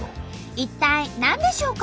一体何でしょうか？